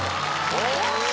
お！